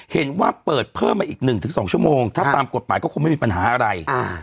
เห็นว่าเปิดเพิ่มมาอีก๑๒ชั่วโมงถ้าตามกฎหมายก็คงไม่มีปัญหาอะไร